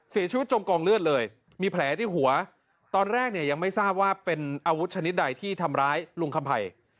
จมกองเลือดเลยมีแผลที่หัวตอนแรกเนี่ยยังไม่ทราบว่าเป็นอาวุธชนิดใดที่ทำร้ายลุงคำภัย